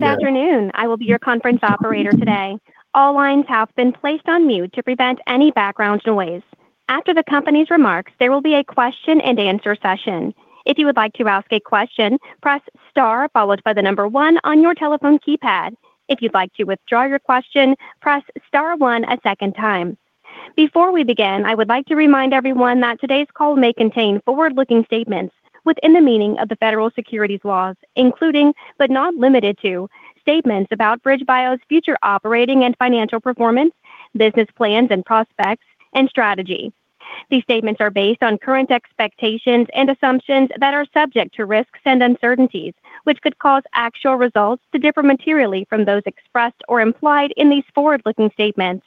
Good afternoon. I will be your conference operator today. All lines have been placed on mute to prevent any background noise. After the company's remarks, there will be a question and answer session. If you would like to ask a question, press star followed by the number one on your telephone keypad. If you'd like to withdraw your question, press star one a second time. Before we begin, I would like to remind everyone that today's call may contain forward-looking statements within the meaning of the federal securities laws, including but not limited to statements about BridgeBio Pharma's future operating and financial performance, business plans and prospects, and strategy. These statements are based on current expectations and assumptions that are subject to risks and uncertainties, which could cause actual results to differ materially from those expressed or implied in these forward-looking statements.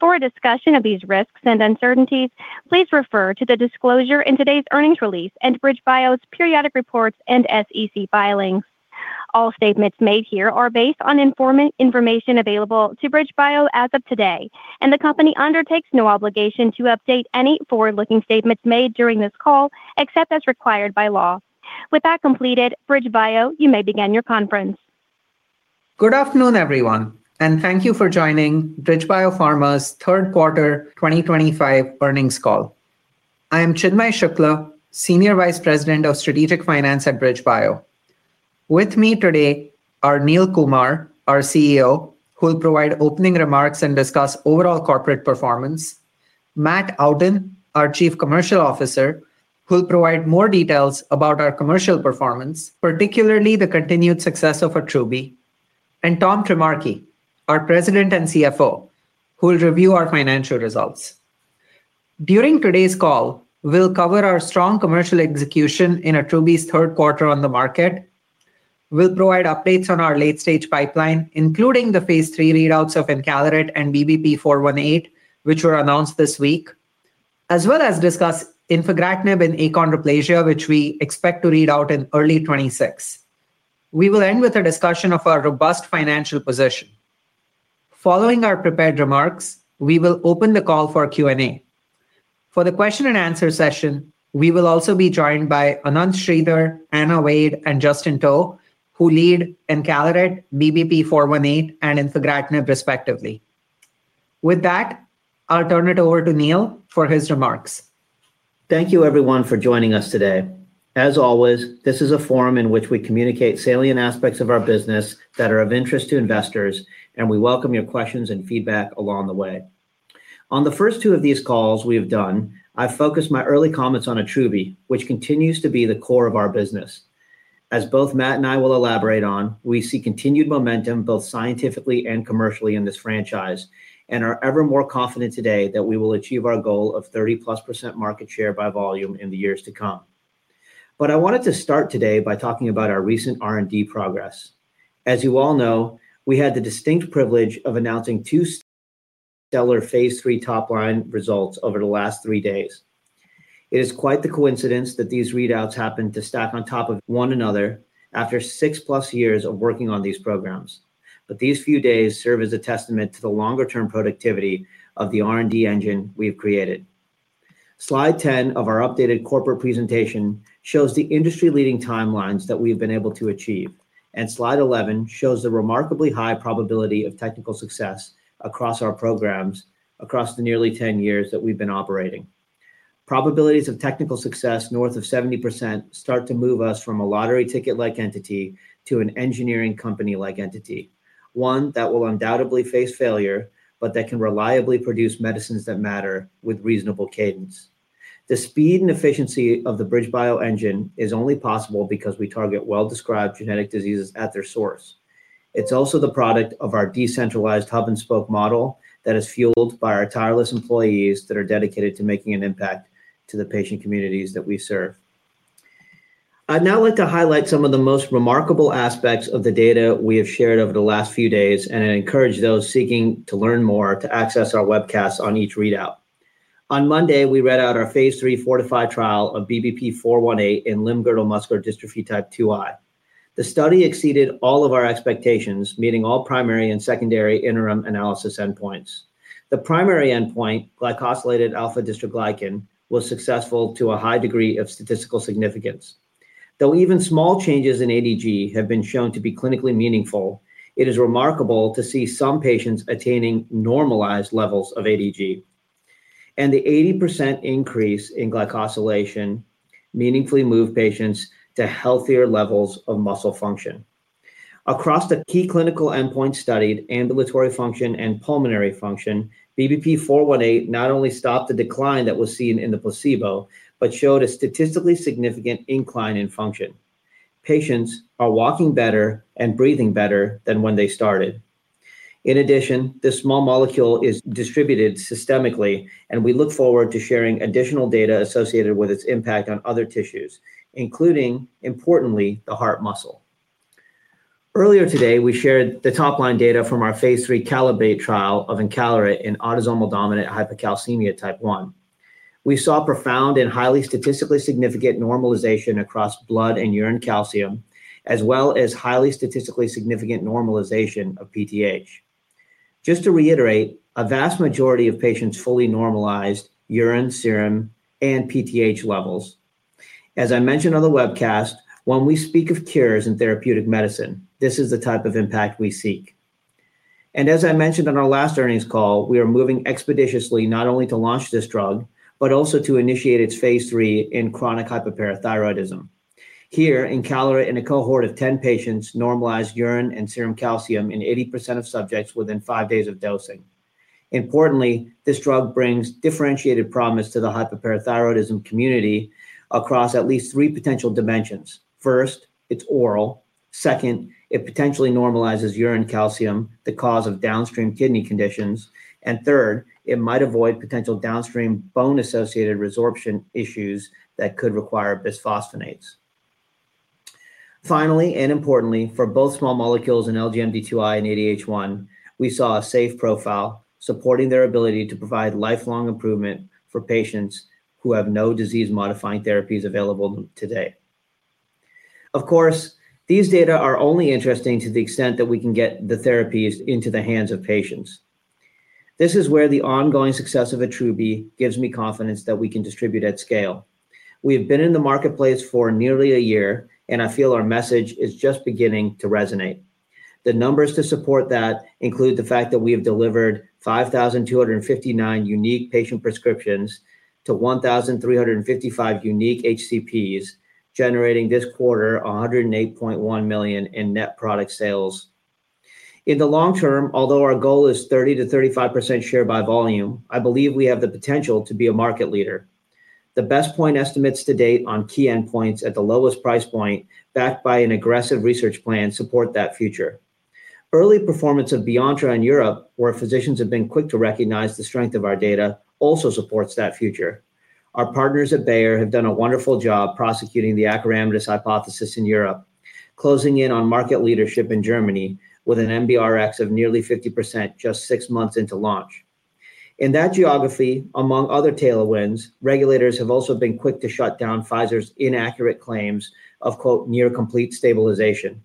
For a discussion of these risks and uncertainties, please refer to the disclosure in today's earnings release and BridgeBio Pharma's periodic reports and SEC filings. All statements made here are based on information available to BridgeBio Pharma as of today, and the company undertakes no obligation to update any forward-looking statements made during this call except as required by law. With that completed, BridgeBio Pharma, you may begin your conference. Good afternoon, everyone, and thank you for joining BridgeBio Pharma's third quarter 2025 earnings call. I am Chinmay Shukla, Senior Vice President of Strategic Finance at BridgeBio. With me today are Neil Kumar, our CEO, who will provide opening remarks and discuss overall corporate performance, Matt Outten, our Chief Commercial Officer, who will provide more details about our commercial performance, particularly the continued success of Attruby, and Tom Trimarchi, our President and CFO, who will review our financial results. During today's call, we'll cover our strong commercial execution in Attruby's third quarter on the market. We'll provide updates on our late-stage pipeline, including the phase III readouts of Encalirate and BBP-418, which were announced this week, as well as discuss Infigratinib and achondroplasia, which we expect to read out in early 2026. We will end with a discussion of our robust financial position. Following our prepared remarks, we will open the call for Q&A. For the question and answer session, we will also be joined by Ananth Sridhar, Anna Wade, and Justin To, who lead Encalirate, BBP-418, and Infigratinib, respectively. With that, I'll turn it over to Neil for his remarks. Thank you, everyone, for joining us today. As always, this is a forum in which we communicate salient aspects of our business that are of interest to investors, and we welcome your questions and feedback along the way. On the first two of these calls we have done, I've focused my early comments on Attruby, which continues to be the core of our business. As both Matt and I will elaborate on, we see continued momentum both scientifically and commercially in this franchise and are ever more confident today that we will achieve our goal of 30+% market share by volume in the years to come. I wanted to start today by talking about our recent R&D progress. As you all know, we had the distinct privilege of announcing two stellar phase III top-line results over the last three days. It is quite the coincidence that these readouts happen to stack on top of one another after six+ years of working on these programs. These few days serve as a testament to the longer-term productivity of the R&D engine we've created. Slide 10 of our updated corporate presentation shows the industry-leading timelines that we've been able to achieve, and slide 11 shows the remarkably high probability of technical success across our programs across the nearly 10 years that we've been operating. Probabilities of technical success north of 70% start to move us from a lottery ticket-like entity to an engineering company-like entity, one that will undoubtedly face failure but that can reliably produce medicines that matter with reasonable cadence. The speed and efficiency of the BridgeBio engine is only possible because we target well-described genetic diseases at their source. It's also the product of our decentralized hub and spoke model that is fueled by our tireless employees that are dedicated to making an impact to the patient communities that we serve. I'd now like to highlight some of the most remarkable aspects of the data we have shared over the last few days, and I encourage those seeking to learn more to access our webcasts on each readout. On Monday, we read out our phase III FORTIFY trial of BBP-418 in limb-girdle muscular dystrophy type 2i. The study exceeded all of our expectations, meeting all primary and secondary interim analysis endpoints. The primary endpoint, glycosylated alpha-dystroglycan, was successful to a high degree of statistical significance. Though even small changes in ADG have been shown to be clinically meaningful, it is remarkable to see some patients attaining normalized levels of ADG. The 80% increase in glycosylation meaningfully moved patients to healthier levels of muscle function. Across the key clinical endpoints studied, ambulatory function and pulmonary function, BBP-418 not only stopped the decline that was seen in the placebo but showed a statistically significant incline in function. Patients are walking better and breathing better than when they started. In addition, this small molecule is distributed systemically, and we look forward to sharing additional data associated with its impact on other tissues, including, importantly, the heart muscle. Earlier today, we shared the top-line data from our phase III CALIBRATE trial of Encalirate in autosomal dominant hypocalcemia type 1. We saw profound and highly statistically significant normalization across blood and urine calcium, as well as highly statistically significant normalization of PTH. Just to reiterate, a vast majority of patients fully normalized urine, serum, and PTH levels. As I mentioned on the webcast, when we speak of cures in therapeutic medicine, this is the type of impact we seek. As I mentioned on our last earnings call, we are moving expeditiously not only to launch this drug but also to initiate its phase III in chronic hyperparathyroidism. Here, Encalirate in a cohort of 10 patients normalized urine and serum calcium in 80% of subjects within five days of dosing. Importantly, this drug brings differentiated promise to the hyperparathyroidism community across at least three potential dimensions. First, it's oral. Second, it potentially normalizes urine calcium, the cause of downstream kidney conditions. Third, it might avoid potential downstream bone-associated resorption issues that could require bisphosphonates. Finally, and importantly, for both small molecules in LGMD2i and ADH1, we saw a safe profile supporting their ability to provide lifelong improvement for patients who have no disease-modifying therapies available today. Of course, these data are only interesting to the extent that we can get the therapies into the hands of patients. This is where the ongoing success of Attruby gives me confidence that we can distribute at scale. We have been in the marketplace for nearly a year, and I feel our message is just beginning to resonate. The numbers to support that include the fact that we have delivered 5,259 unique patient prescriptions to 1,355 unique HCPs, generating this quarter $108.1 million in net product sales. In the long term, although our goal is 30-35% share by volume, I believe we have the potential to be a market leader. The best point estimates to date on key endpoints at the lowest price point, backed by an aggressive research plan, support that future. Early performance of Beyantra in Europe, where physicians have been quick to recognize the strength of our data, also supports that future. Our partners at Bayer have done a wonderful job prosecuting the Acoramidis hypothesis in Europe, closing in on market leadership in Germany with an MBRX of nearly 50% just six months into launch. In that geography, among other tailwinds, regulators have also been quick to shut down Pfizer's inaccurate claims of "near complete stabilization."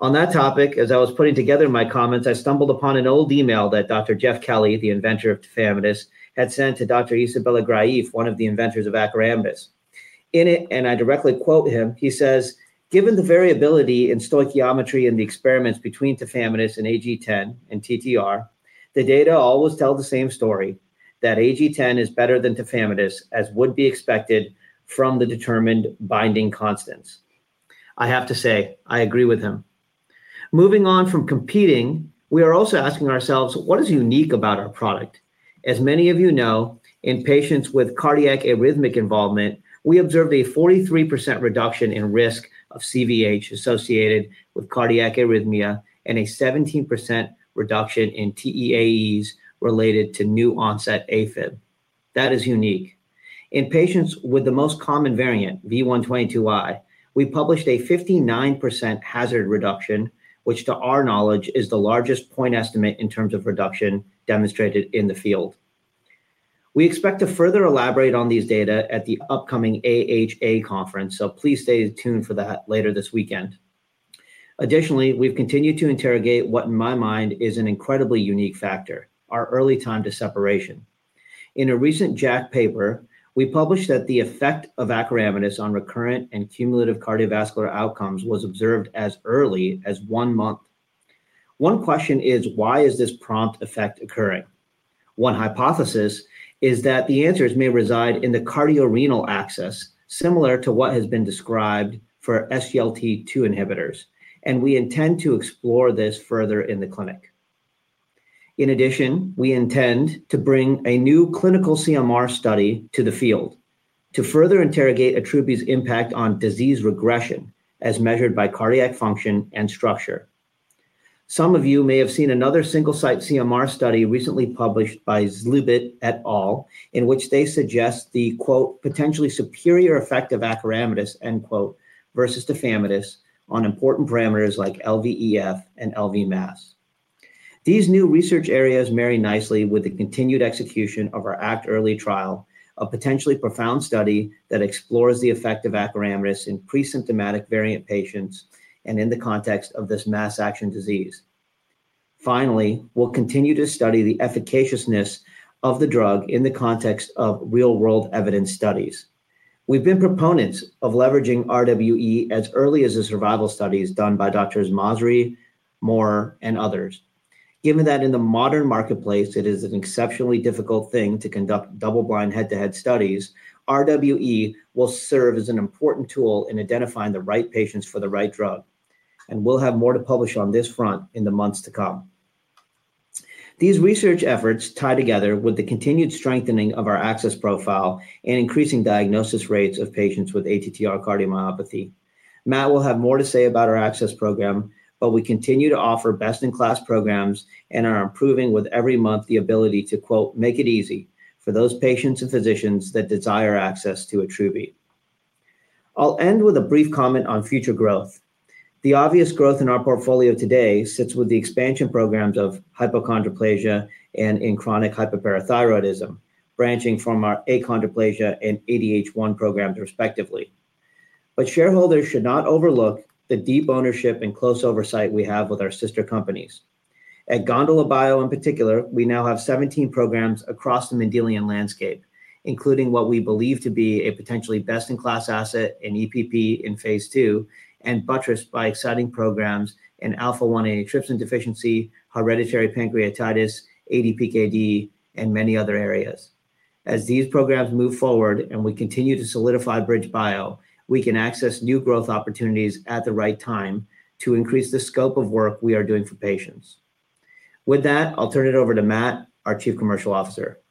On that topic, as I was putting together my comments, I stumbled upon an old email that Dr. Jeff Kelly, the inventor of Tafamidis, had sent to Dr. Isabella Graef, one of the inventors of Acoramidis. In it, and I directly quote him, he says, "Given the variability in stoichiometry in the experiments between Tafamidis and AG10 and TTR, the data always tell the same story that AG10 is better than Tafamidis, as would be expected from the determined binding constants." I have to say, I agree with him. Moving on from competing, we are also asking ourselves, what is unique about our product? As many of you know, in patients with cardiac arrhythmic involvement, we observed a 43% reduction in risk of CVH associated with cardiac arrhythmia and a 17% reduction in TEAEs related to new-onset AFib. That is unique. In patients with the most common variant, V122i, we published a 59% hazard reduction, which to our knowledge is the largest point estimate in terms of reduction demonstrated in the field. We expect to further elaborate on these data at the upcoming AHA conference, so please stay tuned for that later this weekend. Additionally, we've continued to interrogate what, in my mind, is an incredibly unique factor: our early time to separation. In a recent JACC paper, we published that the effect of acaramidis on recurrent and cumulative cardiovascular outcomes was observed as early as one month. One question is, why is this prompt effect occurring? One hypothesis is that the answers may reside in the cardiorenal axis, similar to what has been described for SGLT2 inhibitors, and we intend to explore this further in the clinic. In addition, we intend to bring a new clinical CMR study to the field to further interrogate Attruby's impact on disease regression as measured by cardiac function and structure. Some of you may have seen another single-site CMR study recently published by Zlubit et al., in which they suggest the "potentially superior effect of Acoramidis" versus Tafamidis on important parameters like LVEF and LVMAS. These new research areas marry nicely with the continued execution of our ACT early trial, a potentially profound study that explores the effect of Acoramidis in presymptomatic variant patients and in the context of this mass-action disease. Finally, we'll continue to study the efficaciousness of the drug in the context of real-world evidence studies. We've been proponents of leveraging RWE as early as the survival studies done by Dr. Mazri, Moore, and others. Given that in the modern marketplace, it is an exceptionally difficult thing to conduct double-blind head-to-head studies, RWE will serve as an important tool in identifying the right patients for the right drug, and we'll have more to publish on this front in the months to come. These research efforts tie together with the continued strengthening of our access profile and increasing diagnosis rates of patients with ATTR-CM. Matt will have more to say about our access program, but we continue to offer best-in-class programs and are improving with every month the ability to "make it easy" for those patients and physicians that desire access to Attruby. I'll end with a brief comment on future growth. The obvious growth in our portfolio today sits with the expansion programs of Hypochondroplasia and in chronic hyperparathyroidism, branching from our Achondroplasia and ADH1 programs respectively. Shareholders should not overlook the deep ownership and close oversight we have with our sister companies. At Gondola Bio in particular, we now have 17 programs across the Mendelian landscape, including what we believe to be a potentially best-in-class asset in EPP in phase II and buttressed by exciting programs in alpha-1 antitrypsin deficiency, hereditary pancreatitis, ADPKD, and many other areas. As these programs move forward and we continue to solidify BridgeBio, we can access new growth opportunities at the right time to increase the scope of work we are doing for patients. With that, I'll turn it over to Matt, our Chief Commercial Officer.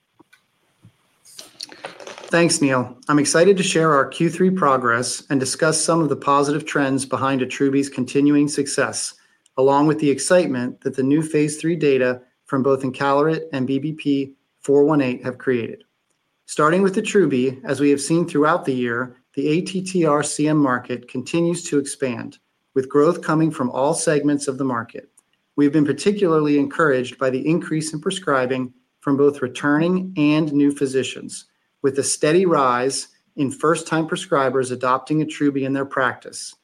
Thanks, Neil. I'm excited to share our Q3 progress and discuss some of the positive trends behind Attruby continuing success, along with the excitement that the new phase III data from both Encalirate and BBP-418 have created. Starting with Attruby, as we have seen throughout the year, the ATTR-CM market continues to expand, with growth coming from all segments of the market. We've been particularly encouraged by the increase in prescribing from both returning and new physicians, with a steady rise in first-time prescribers adopting Attruby in their practice.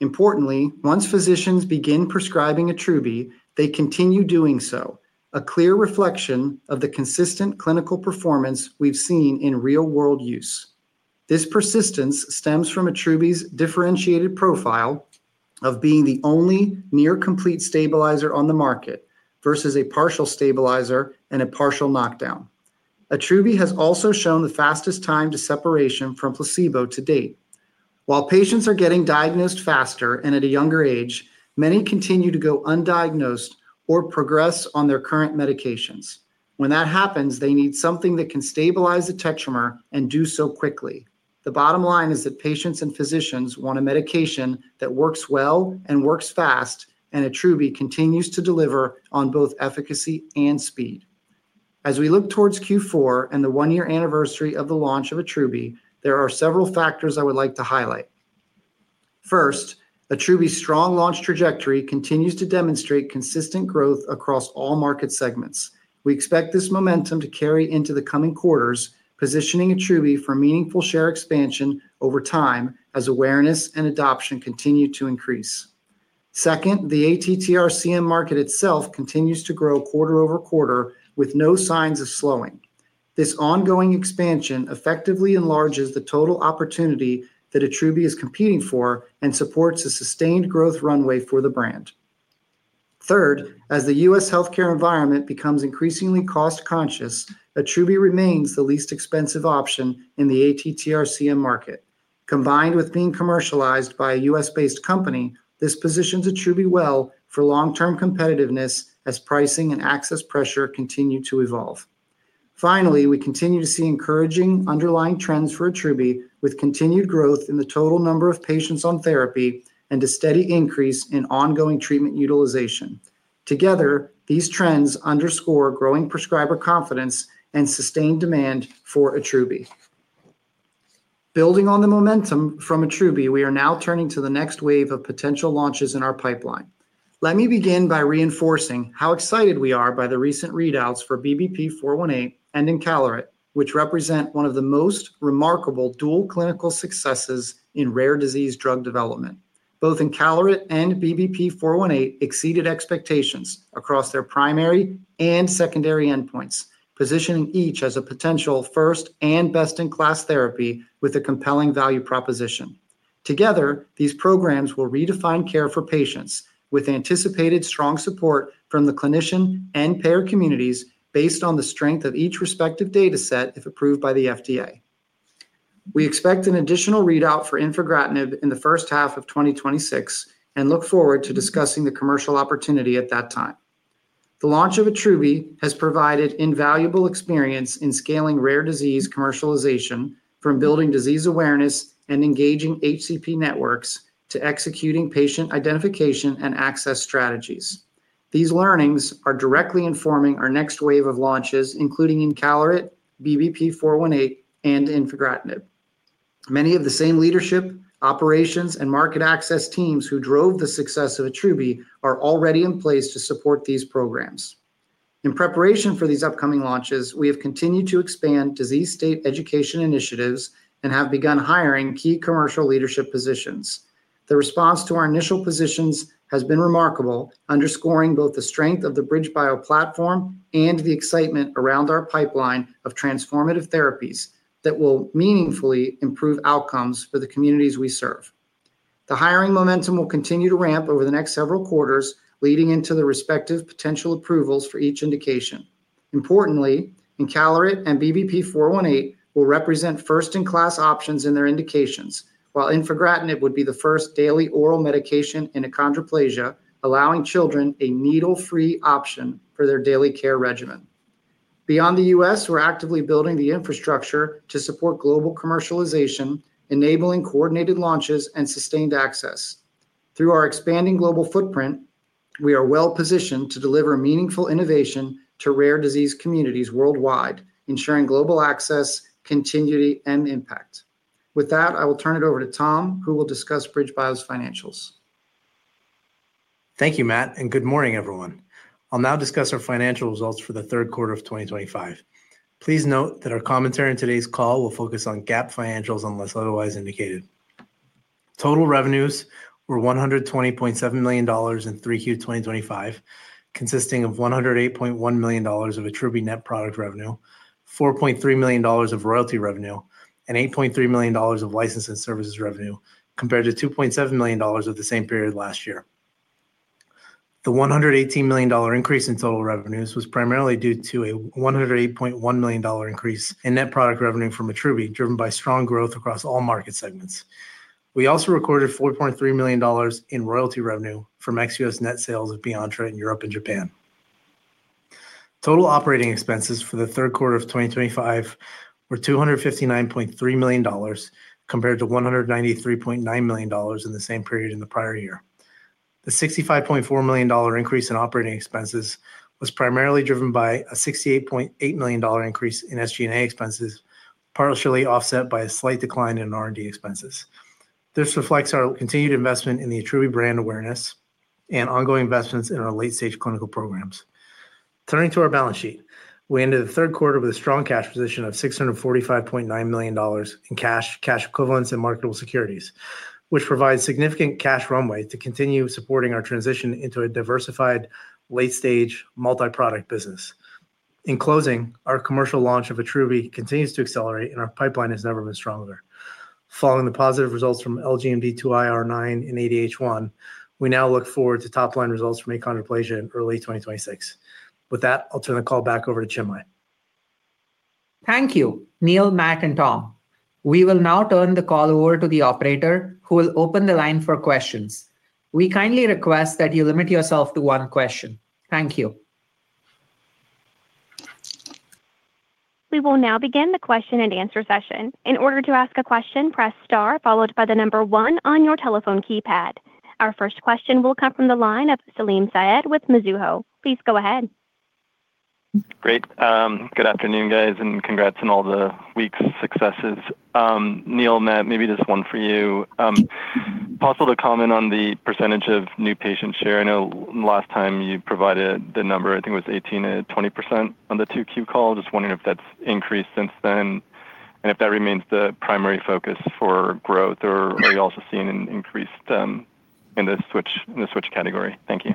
Importantly, once physicians begin prescribing Attruby, they continue doing so, a clear reflection of the consistent clinical performance we've seen in real-world use. This persistence stems from Attruby's differentiated profile of being the only near-complete stabilizer on the market versus a partial stabilizer and a partial knockdown. Attruby has also shown the fastest time to separation from placebo to date. While patients are getting diagnosed faster and at a younger age, many continue to go undiagnosed or progress on their current medications. When that happens, they need something that can stabilize the tetramer and do so quickly. The bottom line is that patients and physicians want a medication that works well and works fast, and Attruby continues to deliver on both efficacy and speed. As we look towards Q4 and the one-year anniversary of the launch of Attruby, there are several factors I would like to highlight. First, Attruby's strong launch trajectory continues to demonstrate consistent growth across all market segments. We expect this momentum to carry into the coming quarters, positioning Attruby for meaningful share expansion over time as awareness and adoption continue to increase. Second, the ATTR-CM market itself continues to grow quarter-over-quarter with no signs of slowing. This ongoing expansion effectively enlarges the total opportunity that Attruby is competing for and supports a sustained growth runway for the brand. Third, as the U.S. healthcare environment becomes increasingly cost-conscious, Attruby remains the least expensive option in the ATTR-CM market. Combined with being commercialized by a U.S. based company, this positions Attruby well for long-term competitiveness as pricing and access pressure continue to evolve. Finally, we continue to see encouraging underlying trends for Attruby, with continued growth in the total number of patients on therapy and a steady increase in ongoing treatment utilization. Together, these trends underscore growing prescriber confidence and sustained demand for Attruby. Building on the momentum from Attruby, we are now turning to the next wave of potential launches in our pipeline. Let me begin by reinforcing how excited we are by the recent readouts for BBP-418 and Encalirate, which represent one of the most remarkable dual clinical successes in rare disease drug development. Both Encalirate and BBP-418 exceeded expectations across their primary and secondary endpoints, positioning each as a potential first- and best-in-class therapy with a compelling value proposition. Together, these programs will redefine care for patients with anticipated strong support from the clinician and payer communities based on the strength of each respective data set if approved by the FDA. We expect an additional readout for Infigratinib in the first half of 2026 and look forward to discussing the commercial opportunity at that time. The launch of Attruby has provided invaluable experience in scaling rare disease commercialization from building disease awareness and engaging HCP networks to executing patient identification and access strategies. These learnings are directly informing our next wave of launches, including Encalirate, BBP-418, and Infigratinib. Many of the same leadership, operations, and market access teams who drove the success of Attruby are already in place to support these programs. In preparation for these upcoming launches, we have continued to expand disease state education initiatives and have begun hiring key commercial leadership positions. The response to our initial positions has been remarkable, underscoring both the strength of the BridgeBio Pharma platform and the excitement around our pipeline of transformative therapies that will meaningfully improve outcomes for the communities we serve. The hiring momentum will continue to ramp over the next several quarters, leading into the respective potential approvals for each indication. Importantly, Encalirate and BBP-418 will represent first-in-class options in their indications, while Infigratinib would be the first daily oral medication in Achondroplasia, allowing children a needle-free option for their daily care regimen. Beyond the U.S., we're actively building the infrastructure to support global commercialization, enabling coordinated launches and sustained access. Through our expanding global footprint, we are well positioned to deliver meaningful innovation to rare disease communities worldwide, ensuring global access, continuity, and impact. With that, I will turn it over to Tom, who will discuss BridgeBio's financials. Thank you, Matt, and good morning, everyone. I'll now discuss our financial results for the third quarter of 2025. Please note that our commentary in today's call will focus on GAAP financials unless otherwise indicated. Total revenues were $120.7 million in 3Q 2025, consisting of $108.1 million of Attruby net product revenue, $4.3 million of royalty revenue, and $8.3 million of license and services revenue, compared to $2.7 million in the same period last year. The $118 million increase in total revenues was primarily due to a $108.1 million increase in net product revenue from Attruby, driven by strong growth across all market segments. We also recorded $4.3 million in royalty revenue from ex-US net sales of Beyantra in Europe and Japan. Total operating expenses for the third quarter of 2025 were $259.3 million, compared to $193.9 million in the same period in the prior year. The $65.4 million increase in operating expenses was primarily driven by a $68.8 million increase in SG&A expenses, partially offset by a slight decline in R&D expenses. This reflects our continued investment in the Attruby brand awareness and ongoing investments in our late-stage clinical programs. Turning to our balance sheet, we ended the third quarter with a strong cash position of $645.9 million in cash, cash equivalents, and marketable securities, which provides significant cash runway to continue supporting our transition into a diversified late-stage multi-product business. In closing, our commercial launch of Attruby continues to accelerate, and our pipeline has never been stronger. Following the positive results from LGMD2i R9 and ADH1, we now look forward to top-line results from Achondroplasia in early 2026. With that, I'll turn the call back over to Chinmay. Thank you, Neil, Matt, and Tom. We will now turn the call over to the operator, who will open the line for questions. We kindly request that you limit yourself to one question. Thank you. We will now begin the question and answer session. In order to ask a question, press star followed by the number one on your telephone keypad. Our first question will come from the line of Salim Syed with Mizuho. Please go ahead. Great. Good afternoon, guys, and congrats on all the week's successes. Neil, Matt, maybe just one for you. Possible to comment on the percentage of new patient share? I know last time you provided the number, I think it was 18%-20% on the 2Q call. Just wondering if that's increased since then and if that remains the primary focus for growth, or are you also seeing an increase in the switch category? Thank you.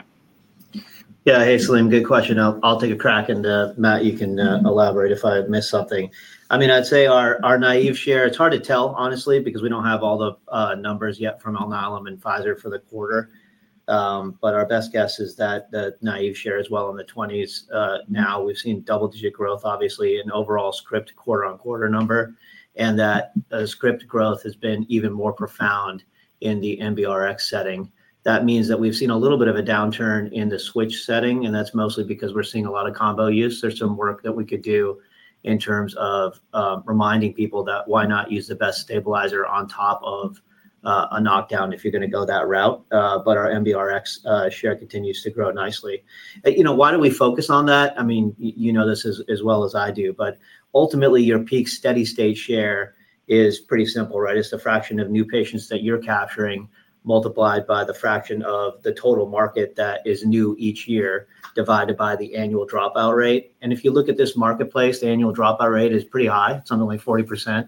Yeah. Hey, Salim, good question. I'll take a crack, and Matt, you can elaborate if I missed something. I'd say our naive share, it's hard to tell, honestly, because we don't have all the numbers yet from Alnylam and Pfizer for the quarter. Our best guess is that the naive share is well in the 20s now. We've seen double-digit growth, obviously, in overall script quarter-on-quarter number, and that script growth has been even more profound in the MBRX setting. That means that we've seen a little bit of a downturn in the switch setting, and that's mostly because we're seeing a lot of combo use. There's some work that we could do in terms of reminding people that, why not use the best stabilizer on top of a knockdown if you're going to go that route. Our MBRX share continues to grow nicely. You know, why do we focus on that? You know this as well as I do, but ultimately, your peak steady state share is pretty simple, right? It's the fraction of new patients that you're capturing multiplied by the fraction of the total market that is new each year divided by the annual dropout rate. If you look at this marketplace, the annual dropout rate is pretty high. It's something like 40%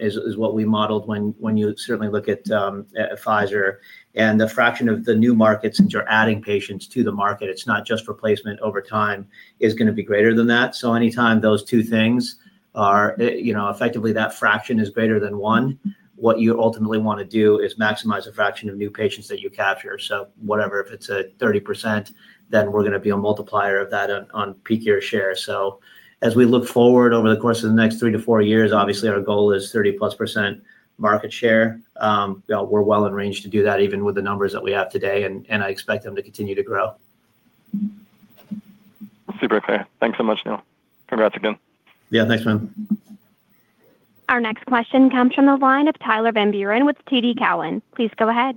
is what we modeled when you certainly look at Pfizer. The fraction of the new markets, since you're adding patients to the market, it's not just replacement over time, is going to be greater than that. Anytime those two things are, you know, effectively that fraction is greater than one, what you ultimately want to do is maximize the fraction of new patients that you capture. Whatever, if it's a 30%, then we're going to be a multiplier of that on peak year share. As we look forward over the course of the next three to four years, obviously, our goal is 30+% market share. We're well in range to do that even with the numbers that we have today, and I expect them to continue to grow. Super clear. Thanks so much, Neil. Congrats again. Yeah, thanks, man. Our next question comes from the line of Tyler Van Buren with TD Cowen. Please go ahead.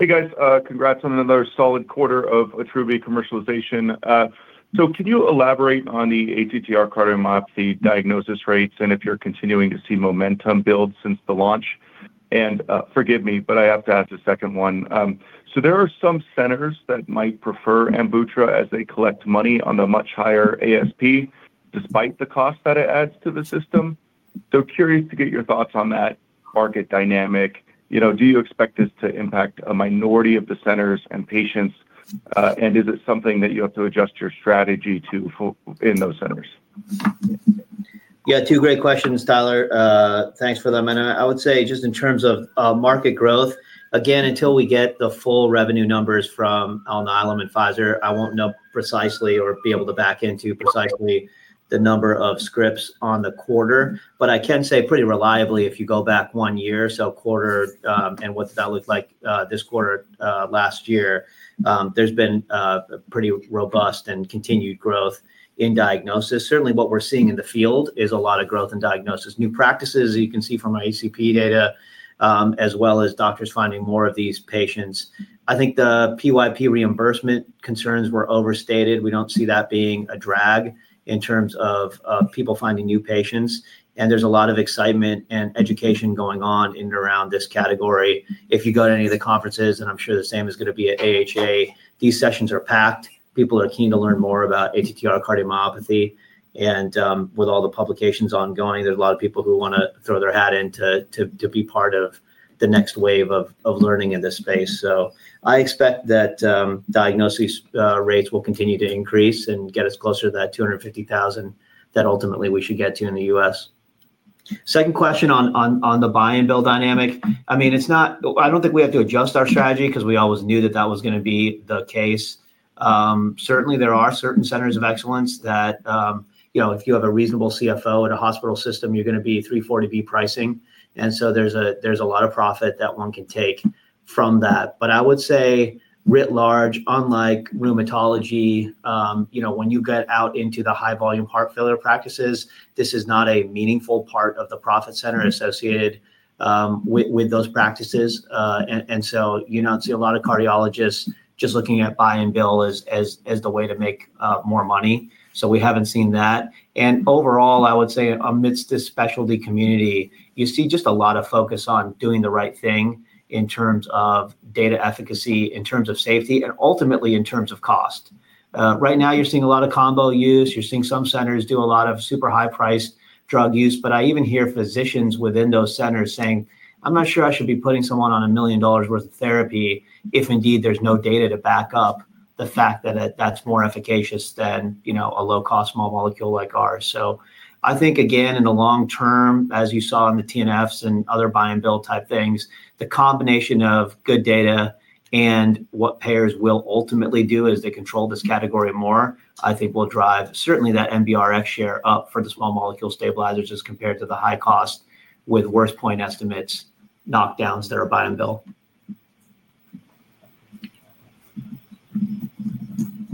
Hey, guys. Congrats on another solid quarter of Attruby commercialization. Can you elaborate on the ATTR-CM diagnosis rates and if you're continuing to see momentum build since the launch? Forgive me, but I have to ask the second one. There are some centers that might prefer Amvuttra as they collect money on the much higher ASP, despite the cost that it adds to the system. Curious to get your thoughts on that market dynamic. Do you expect this to impact a minority of the centers and patients? Is it something that you have to adjust your strategy to in those centers? Yeah, two great questions, Tyler. Thanks for them. I would say just in terms of market growth, again, until we get the full revenue numbers from Alnylam and Pfizer, I won't know precisely or be able to back into precisely the number of scripts on the quarter. I can say pretty reliably, if you go back one year, so quarter, and what did that look like this quarter last year, there's been a pretty robust and continued growth in diagnosis. Certainly, what we're seeing in the field is a lot of growth in diagnosis. New practices, as you can see from our ACP data, as well as doctors finding more of these patients. I think the PYP reimbursement concerns were overstated. We don't see that being a drag in terms of people finding new patients. There's a lot of excitement and education going on in and around this category. If you go to any of the conferences, I'm sure the same is going to be at AHA, these sessions are packed. People are keen to learn more about ATTR cardiomyopathy. With all the publications ongoing, there's a lot of people who want to throw their hat in to be part of the next wave of learning in this space. I expect that diagnosis rates will continue to increase and get us closer to that 250,000 that ultimately we should get to in the U.S. Second question on the buy and bill dynamic. I mean, it's not, I don't think we have to adjust our strategy because we always knew that that was going to be the case. Certainly, there are certain centers of excellence that, you know, if you have a reasonable CFO at a hospital system, you're going to be 340B pricing. There's a lot of profit that one can take from that. I would say writ large, unlike rheumatology, when you get out into the high-volume heart failure practices, this is not a meaningful part of the profit center associated with those practices. You don't see a lot of cardiologists just looking at buy and bill as the way to make more money. We haven't seen that. Overall, I would say amidst this specialty community, you see just a lot of focus on doing the right thing in terms of data efficacy, in terms of safety, and ultimately in terms of cost. Right now, you're seeing a lot of combo use. You're seeing some centers do a lot of super high-priced drug use. I even hear physicians within those centers saying, "I'm not sure I should be putting someone on $1 million worth of therapy if indeed there's no data to back up the fact that that's more efficacious than, you know, a low-cost small molecule like ours." I think, again, in the long term, as you saw in the TNFs and other buy and bill type things, the combination of good data and what payers will ultimately do as they control this category more, I think will drive certainly that MBRX share up for the small molecule stabilizers as compared to the high cost with worst point estimates, knockdowns that are buy and bill.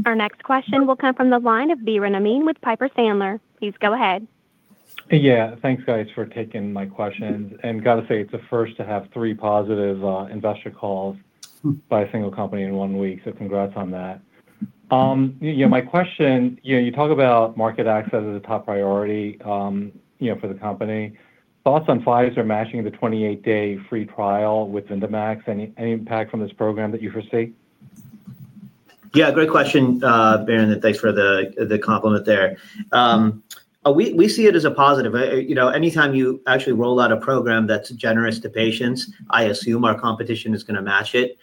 Our next question will come from the line of Biren Amin with Piper Sandler. Please go ahead. Yeah, thanks, guys, for taking my questions. Got to say, it's a first to have three positive investor calls by a single company in one week. Congrats on that. My question, you talk about market access as a top priority for the company. Thoughts on Pfizer matching the 28-day free trial with Vindamax? Any impact from this program that you foresee? Yeah, great question, Biren. Thanks for the compliment there. We see it as a positive. Anytime you actually roll out a program that's generous to patients, I assume our competition is going to match it.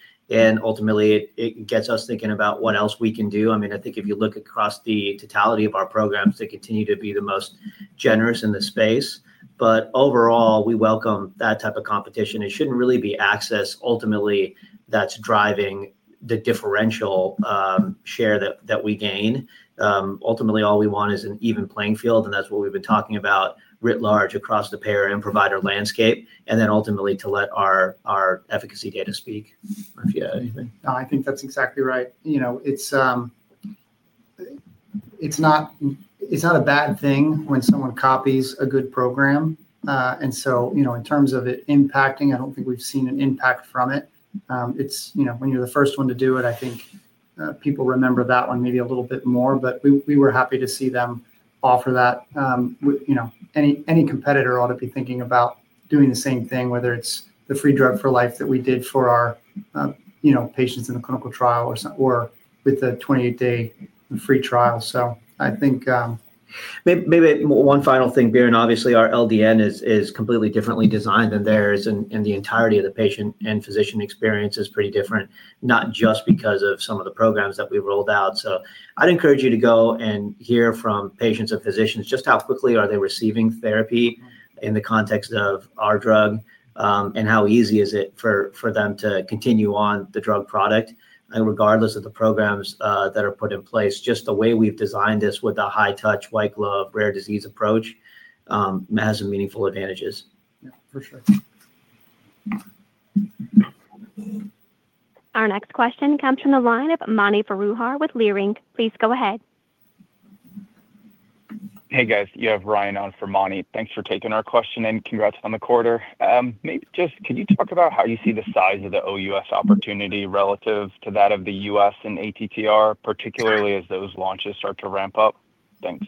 Ultimately, it gets us thinking about what else we can do. I think if you look across the totality of our programs, they continue to be the most generous in the space. Overall, we welcome that type of competition. It shouldn't really be access ultimately that's driving the differential share that we gain. Ultimately, all we want is an even playing field, and that's what we've been talking about writ large across the payer and provider landscape, and ultimately to let our efficacy data speak. If you have anything. No, I think that's exactly right. It's not a bad thing when someone copies a good program. In terms of it impacting, I don't think we've seen an impact from it. When you're the first one to do it, I think people remember that one maybe a little bit more. We were happy to see them offer that. Any competitor ought to be thinking about doing the same thing, whether it's the free drug for life that we did for our patients in the clinical trial or with the 28-day free trial. I think. Maybe one final thing, Biren. Obviously, our LDN is completely differently designed than theirs, and the entirety of the patient and physician experience is pretty different, not just because of some of the programs that we've rolled out. I'd encourage you to go and hear from patients and physicians just how quickly are they receiving therapy in the context of our drug and how easy is it for them to continue on the drug product. Regardless of the programs that are put in place, just the way we've designed this with the high-touch, white-glove, rare disease approach has some meaningful advantages. Yeah, for sure. Our next question comes from the line of Amani Farouhar with Leerink. Please go ahead. Hey, guys. You have Ryan on for Amani. Thanks for taking our question and congrats on the quarter. Maybe just can you talk about how you see the size of the ex-US opportunity relative to that of the US and ATTR, particularly as those launches start to ramp up? Thanks.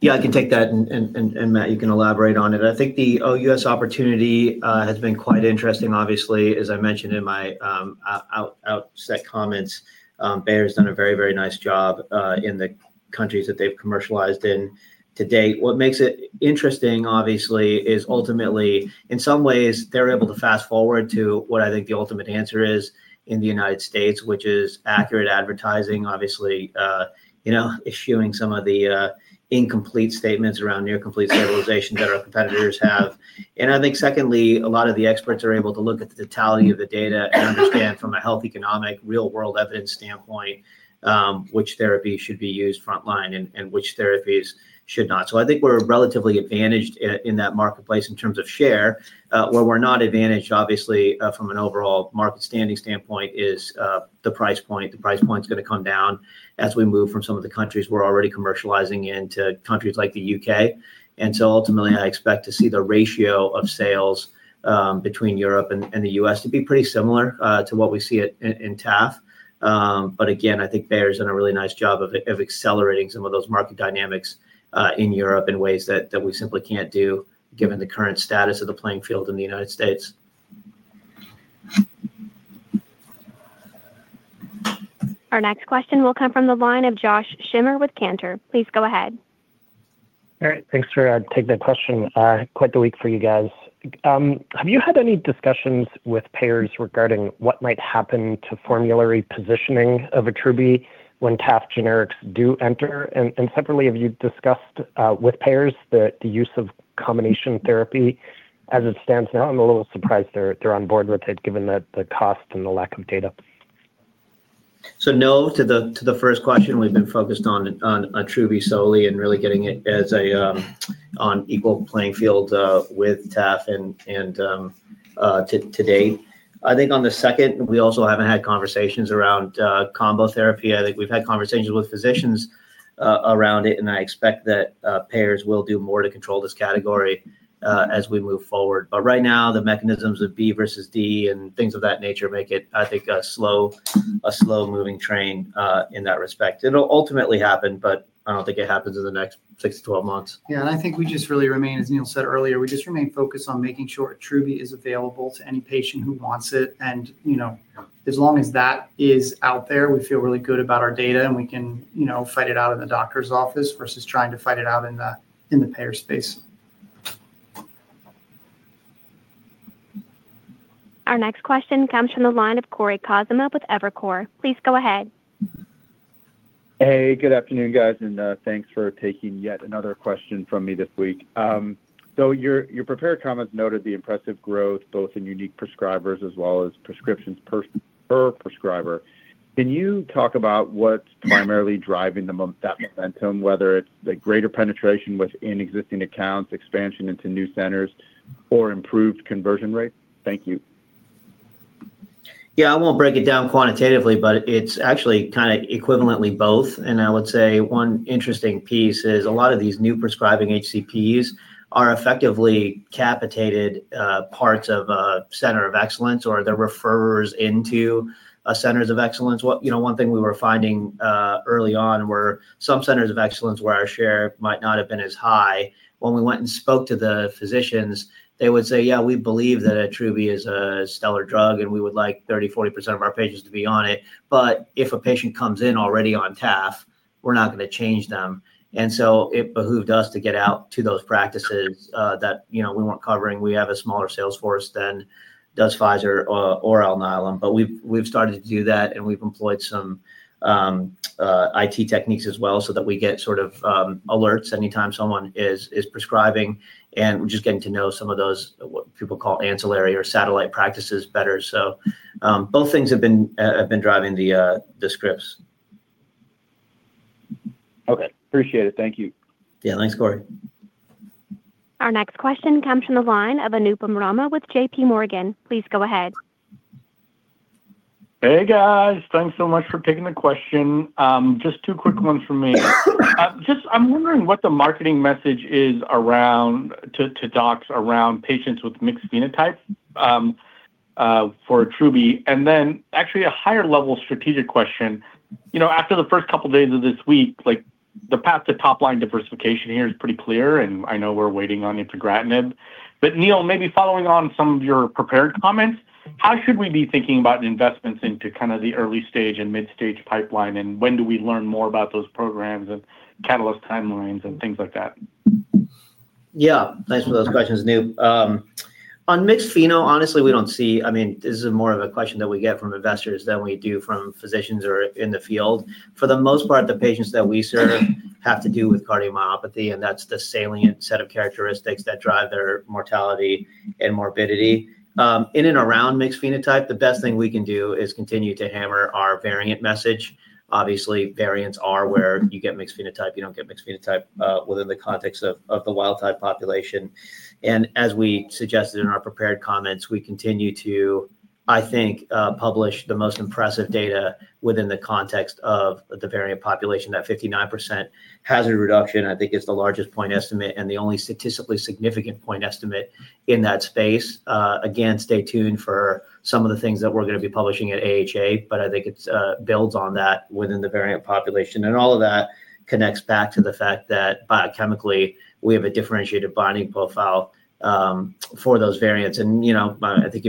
Yeah, I can take that, and Matt, you can elaborate on it. I think the ex-US opportunity has been quite interesting, obviously. As I mentioned in my outset comments, Bayer has done a very, very nice job in the countries that they've commercialized in to date. What makes it interesting, obviously, is ultimately, in some ways, they're able to fast forward to what I think the ultimate answer is in the U.S., which is accurate advertising, obviously, you know, issuing some of the incomplete statements around near-complete stabilization that our competitors have. I think secondly, a lot of the experts are able to look at the totality of the data and understand from a health economic real-world evidence standpoint which therapy should be used frontline and which therapies should not. I think we're relatively advantaged in that marketplace in terms of share. Where we're not advantaged, obviously, from an overall market standing standpoint is the price point. The price point is going to come down as we move from some of the countries we're already commercializing into countries like the U.K. Ultimately, I expect to see the ratio of sales between Europe and the U.S. to be pretty similar to what we see in TAF. I think Bayer has done a really nice job of accelerating some of those market dynamics in Europe in ways that we simply can't do given the current status of the playing field in the United States. Our next question will come from the line of Josh Schimmer with Cantor. Please go ahead. All right. Thanks for taking that question. Quite the week for you guys. Have you had any discussions with payers regarding what might happen to formulary positioning of Attruby when TAF generics do enter? Separately, have you discussed with payers the use of combination therapy as it stands now? I'm a little surprised they're on board with it given the cost and the lack of data. No to the first question. We've been focused on Attruby solely and really getting it on an equal playing field with TAF and to date. I think on the second, we also haven't had conversations around combo therapy. I think we've had conversations with physicians around it, and I expect that payers will do more to control this category as we move forward. Right now, the mechanisms of B versus D and things of that nature make it, I think, a slow-moving train in that respect. It'll ultimately happen, but I don't think it happens in the next 6 to 12 months. Yeah, I think we just really remain, as Neil said earlier, we just remain focused on making sure Attruby is available to any patient who wants it. As long as that is out there, we feel really good about our data, and we can fight it out in the doctor's office versus trying to fight it out in the payer space. Our next question comes from the line of Cory Kasimov with Evercore. Please go ahead. Good afternoon, guys, and thanks for taking yet another question from me this week. Your prepared comments noted the impressive growth both in unique prescribers as well as prescriptions per prescriber. Can you talk about what's primarily driving that momentum, whether it's the greater penetration within existing accounts, expansion into new centers, or improved conversion rate? Thank you. Yeah, I won't break it down quantitatively, but it's actually kind of equivalently both. I would say one interesting piece is a lot of these new prescribing HCPs are effectively capitated parts of a center of excellence or the referrers into centers of excellence. One thing we were finding early on were some centers of excellence where our share might not have been as high. When we went and spoke to the physicians, they would say, "Yeah, we believe that Attruby is a stellar drug, and we would like 30, 40% of our patients to be on it. But if a patient comes in already on TAF, we're not going to change them." It behooved us to get out to those practices that we weren't covering. We have a smaller salesforce than does Pfizer or Alnylam. We've started to do that, and we've employed some IT techniques as well so that we get sort of alerts anytime someone is prescribing and just getting to know some of those what people call ancillary or satellite practices better. Both things have been driving the scripts. Okay, appreciate it. Thank you. Yeah, thanks, Cory. Our next question comes from the line of Anupam Rama with JPMorgan. Please go ahead. Hey, guys, thanks so much for taking the question. Just two quick ones from me. I'm wondering what the marketing message is to docs around patients with mixed phenotype for Attruby. Actually, a higher-level strategic question: after the first couple of days of this week, the path to top-line diversification here is pretty clear, and I know we're waiting on Infigratinib. Neil, maybe following on some of your prepared comments, how should we be thinking about investments into the early-stage and mid-stage pipeline, and when do we learn more about those programs and catalyst timelines and things like that? Yeah, thanks for those questions, Neil. On mixed pheno, honestly, we don't see, I mean, this is more of a question that we get from investors than we do from physicians or in the field. For the most part, the patients that we serve have to do with cardiomyopathy, and that's the salient set of characteristics that drive their mortality and morbidity. In and around mixed phenotype, the best thing we can do is continue to hammer our variant message. Obviously, variants are where you get mixed phenotype. You don't get mixed phenotype within the context of the wild-type population. As we suggested in our prepared comments, we continue to, I think, publish the most impressive data within the context of the variant population. That 59% hazard reduction, I think, is the largest point estimate and the only statistically significant point estimate in that space. Stay tuned for some of the things that we're going to be publishing at AHA, but I think it builds on that within the variant population. All of that connects back to the fact that biochemically, we have a differentiated binding profile for those variants. If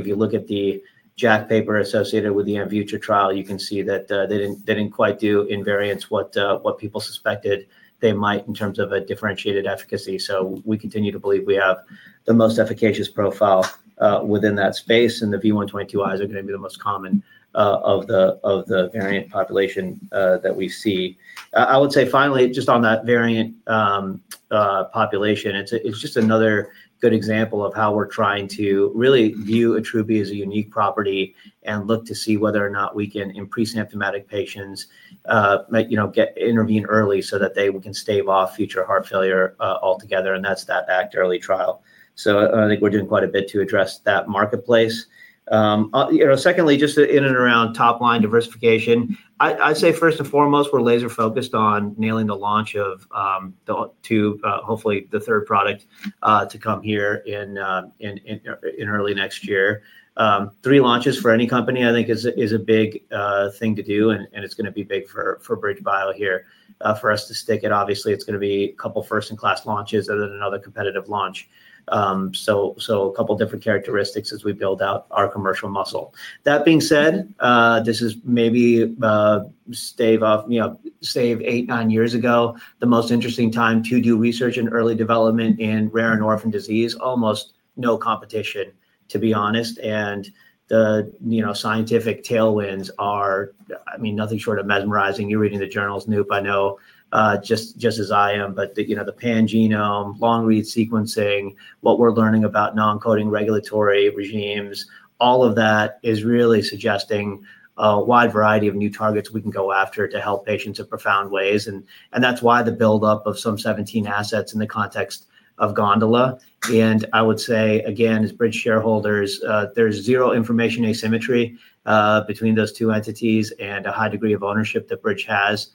you look at the JACC paper associated with the Amvuttra trial, you can see that they didn't quite do in variants what people suspected they might in terms of a differentiated efficacy. We continue to believe we have the most efficacious profile within that space, and the V122i are going to be the most common of the variant population that we see. I would say finally, just on that variant population, it's just another good example of how we're trying to really view Attruby as a unique property and look to see whether or not we can in pre-symptomatic patients get intervened early so that they can stave off future heart failure altogether. That's that ACT early trial. I think we're doing quite a bit to address that marketplace. Secondly, just in and around top-line diversification, I'd say first and foremost, we're laser-focused on nailing the launch of the two, hopefully the third product to come here in early next year. Three launches for any company, I think, is a big thing to do, and it's going to be big for BridgeBio Pharma here for us to stick it. Obviously, it's going to be a couple of first-in-class launches and then another competitive launch. A couple of different characteristics as we build out our commercial muscle. That being said, this is maybe, you know, eight, nine years ago, the most interesting time to do research in early development in rare and orphan disease. Almost no competition, to be honest. The scientific tailwinds are, I mean, nothing short of mesmerizing. You're reading the journals, I know, just as I am. The pan-genome, long-read sequencing, what we're learning about non-coding regulatory regimes, all of that is really suggesting a wide variety of new targets we can go after to help patients in profound ways. That's why the buildup of some 17 assets in the context of Gondola. I would say, again, as BridgeBio shareholders, there's zero information asymmetry between those two entities and a high degree of ownership that BridgeBio has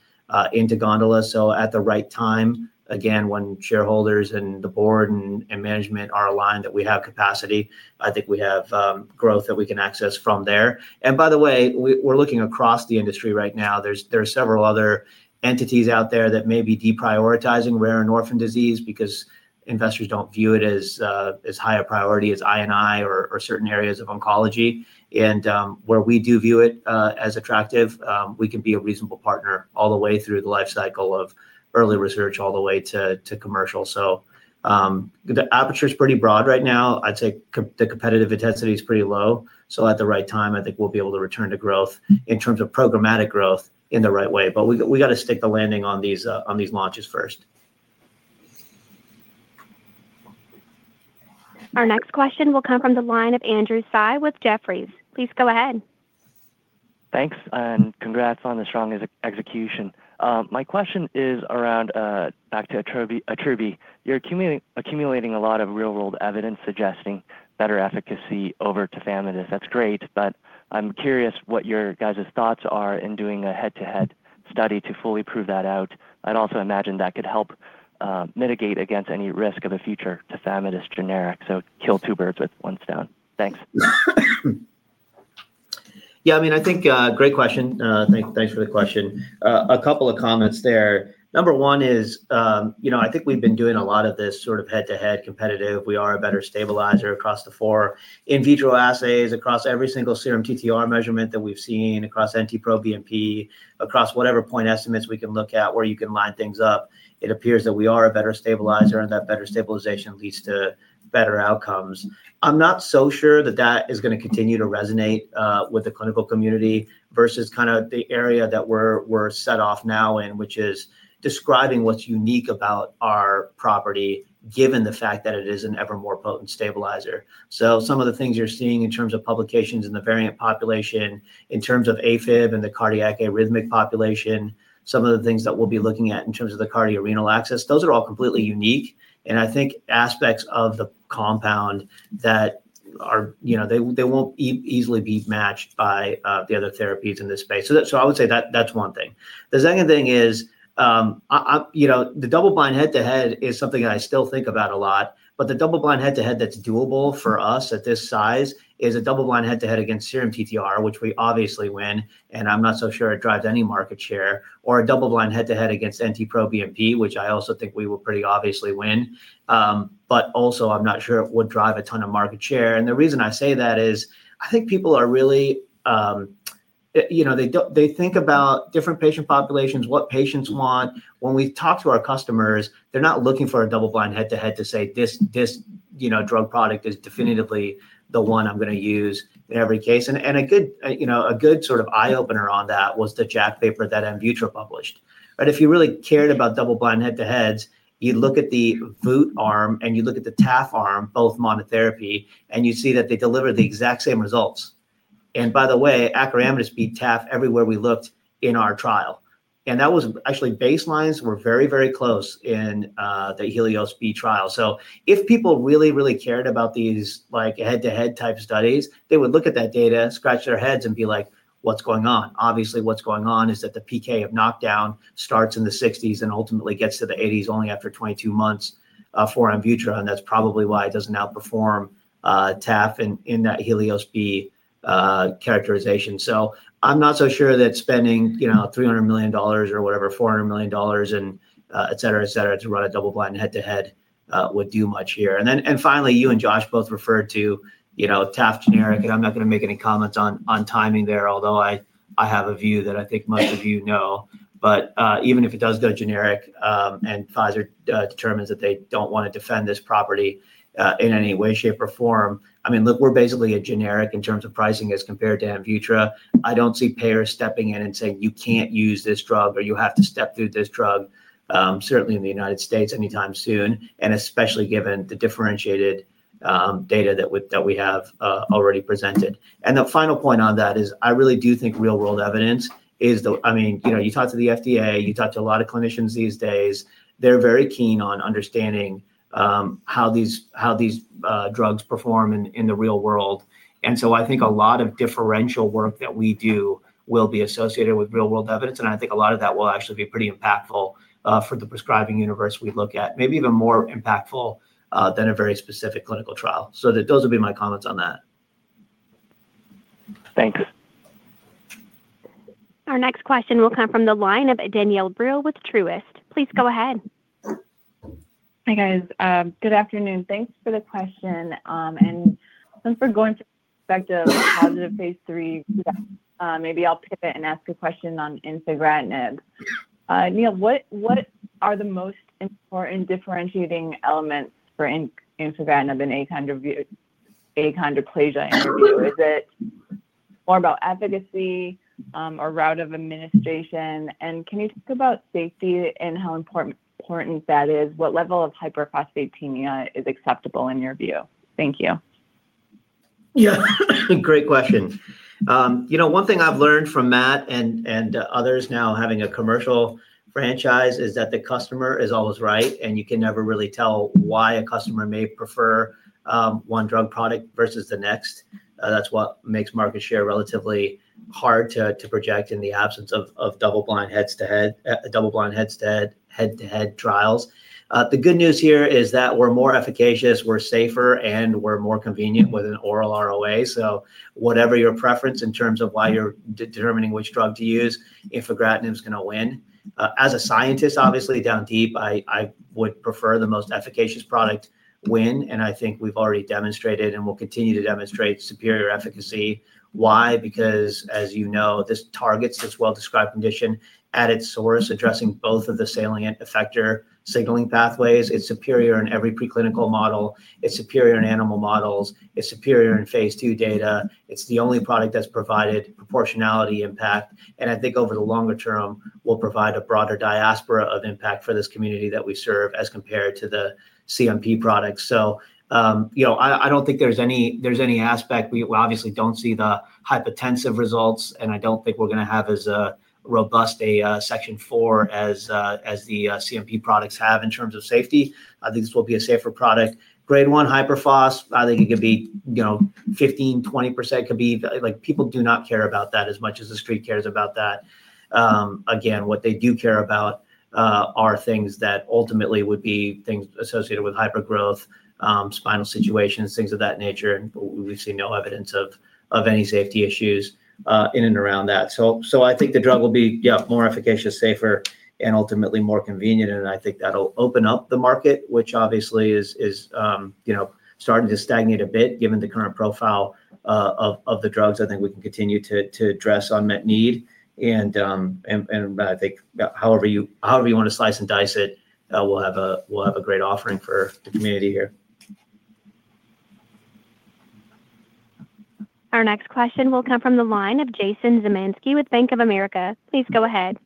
into Gondola. At the right time, when shareholders and the board and management are aligned that we have capacity, I think we have growth that we can access from there. By the way, we're looking across the industry right now. There are several other entities out there that may be deprioritizing rare and orphan disease because investors don't view it as high a priority as I&I or certain areas of oncology. Where we do view it as attractive, we can be a reasonable partner all the way through the life cycle of early research all the way to commercial. The aperture is pretty broad right now. I'd say the competitive intensity is pretty low. At the right time, I think we'll be able to return to growth in terms of programmatic growth in the right way. We got to stick the landing on these launches first. Our next question will come from the line of Andrew Tsai with Jefferies. Please go ahead. Thanks, and congrats on the strong execution. My question is around back to Attruby. You're accumulating a lot of real-world evidence suggesting better efficacy over Tafamidis. That's great, but I'm curious what your guys' thoughts are in doing a head-to-head study to fully prove that out. I'd also imagine that could help mitigate against any risk of a future Tafamidis generic, so kill two birds with one stone. Thanks. Yeah, I mean, I think great question. Thanks for the question. A couple of comments there. Number one is, you know, I think we've been doing a lot of this sort of head-to-head competitive. We are a better stabilizer across the four in vitro assays, across every single serum TTR measurement that we've seen, across anti-proBNP, across whatever point estimates we can look at where you can line things up. It appears that we are a better stabilizer, and that better stabilization leads to better outcomes. I'm not so sure that that is going to continue to resonate with the clinical community versus kind of the area that we're set off now in, which is describing what's unique about our property given the fact that it is an ever more potent stabilizer. Some of the things you're seeing in terms of publications in the variant population, in terms of AFib and the cardiac arrhythmic population, some of the things that we'll be looking at in terms of the cardiorenal axis, those are all completely unique. I think aspects of the compound that are, you know, they won't easily be matched by the other therapies in this space. I would say that's one thing. The second thing is, you know, the double-blind head-to-head is something that I still think about a lot. The double-blind head-to-head that's doable for us at this size is a double-blind head-to-head against serum TTR, which we obviously win. I'm not so sure it drives any market share, or a double-blind head-to-head against anti-proBNP, which I also think we will pretty obviously win. Also, I'm not sure it would drive a ton of market share. The reason I say that is I think people are really, you know, they think about different patient populations, what patients want. When we talk to our customers, they're not looking for a double-blind head-to-head to say this, you know, drug product is definitively the one I'm going to use in every case. A good, you know, a good sort of eye-opener on that was the JACC paper that Amvuttra published. If you really cared about double-blind head-to-heads, you look at the Vut arm and you look at the TAF arm, both monotherapy, and you see that they deliver the exact same results. By the way, Acoramidis beat TAF everywhere we looked in our trial. That was actually baselines were very, very close in the Helios B trial. If people really, really cared about these head-to-head type studies, they would look at that data, scratch their heads, and be like, what's going on? Obviously, what's going on is that the PK of knockdown starts in the 60% range and ultimately gets to the 80% range only after 22 months for Amvuttra. That's probably why it doesn't outperform TAF in that Helios B characterization. I'm not so sure that spending $300 million or $400 million, et cetera, to run a double-blind head-to-head would do much here. Finally, you and Josh both referred to TAF generic. I'm not going to make any comments on timing there, although I have a view that I think most of you know. Even if it does go generic and Pfizer determines that they don't want to defend this property in any way, shape, or form, I mean, look, we're basically a generic in terms of pricing as compared to Amvuttra. I don't see payers stepping in and saying, you can't use this drug or you have to step through this drug, certainly in the U.S. anytime soon, especially given the differentiated data that we have already presented. The final point on that is I really do think real-world evidence is the key. You talk to the FDA, you talk to a lot of clinicians these days, they're very keen on understanding how these drugs perform in the real world. I think a lot of differential work that we do will be associated with real-world evidence. A lot of that will actually be pretty impactful for the prescribing universe we look at, maybe even more impactful than a very specific clinical trial. Those would be my comments on that. Thanks. Our next question will come from the line of Danielle Brill with Truist. Please go ahead. Hey, guys. Good afternoon. Thanks for the question. Since we're going to the perspective of positive phase III, maybe I'll pivot and ask a question on Infigratinib. Neil, what are the most important differentiating elements for Infigratinib in Achondroplasia in your view? Is it more about efficacy or route of administration? Can you talk about safety and how important that is? What level of hyperphosphatemia is acceptable in your view? Thank you. Yeah, great questions. You know, one thing I've learned from Matt and others now having a commercial franchise is that the customer is always right, and you can never really tell why a customer may prefer one drug product versus the next. That's what makes market share relatively hard to project in the absence of double-blind head-to-head trials. The good news here is that we're more efficacious, we're safer, and we're more convenient with an oral ROA. Whatever your preference in terms of why you're determining which drug to use, Infigratinib is going to win. As a scientist, obviously, down deep, I would prefer the most efficacious product win. I think we've already demonstrated and will continue to demonstrate superior efficacy. Why? Because, as you know, this targets this well-described condition at its source, addressing both of the salient effector signaling pathways. It's superior in every preclinical model. It's superior in animal models. It's superior in phase II data. It's the only product that's provided proportionality impact. I think over the longer term, we'll provide a broader diaspora of impact for this community that we serve as compared to the CMP products. I don't think there's any aspect. We obviously don't see the hypotensive results, and I don't think we're going to have as robust a section four as the CMP products have in terms of safety. I think this will be a safer product. Grade one hyperphosphatide, I think it could be, you know, 15%, 20% could be, like, people do not care about that as much as the street cares about that. Again, what they do care about are things that ultimately would be things associated with hypergrowth, spinal situations, things of that nature. We've seen no evidence of any safety issues in and around that. I think the drug will be, yeah, more efficacious, safer, and ultimately more convenient. I think that'll open up the market, which obviously is, you know, starting to stagnate a bit given the current profile of the drugs. I think we can continue to address unmet need. I think however you want to slice and dice it, we'll have a great offering for the community here. Our next question will come from the line of Jason Zemanski with Bank of America. Please go ahead.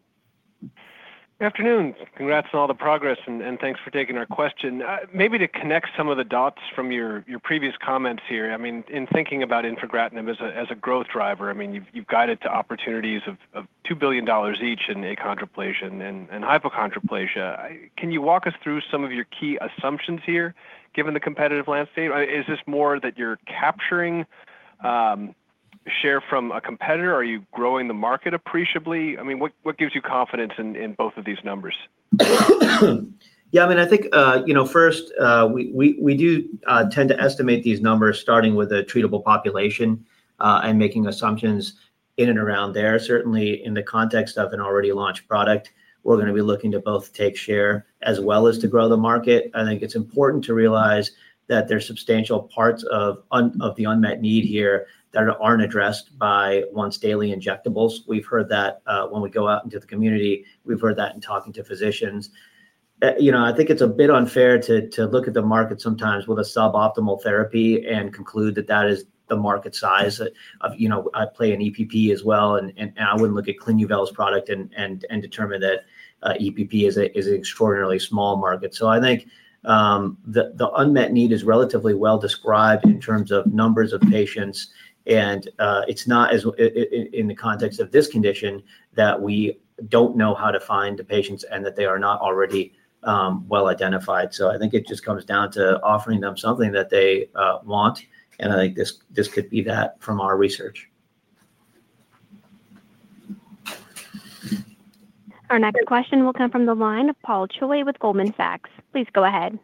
Good afternoon. Congrats on all the progress, and thanks for taking our question. Maybe to connect some of the dots from your previous comments here, in thinking about Infigratinib as a growth driver, you've guided to opportunities of $2 billion each in Achondroplasia and Hypochondroplasia. Can you walk us through some of your key assumptions here given the competitive landscape? Is this more that you're capturing share from a competitor? Are you growing the market appreciably? What gives you confidence in both of these numbers? Yeah, I mean, I think, first, we do tend to estimate these numbers starting with a treatable population and making assumptions in and around there. Certainly, in the context of an already launched product, we're going to be looking to both take share as well as to grow the market. I think it's important to realize that there are substantial parts of the unmet need here that aren't addressed by once-daily injectables. We've heard that when we go out into the community. We've heard that in talking to physicians. I think it's a bit unfair to look at the market sometimes with a suboptimal therapy and conclude that that is the market size. I play in EPP as well, and I wouldn't look at Clinuvel's product and determine that EPP is an extraordinarily small market. I think the unmet need is relatively well described in terms of numbers of patients. It's not in the context of this condition that we don't know how to find the patients and that they are not already well identified. I think it just comes down to offering them something that they want. I think this could be that from our research. Our next question will come from the line of Paul Choi with Goldman Sachs. Please go ahead.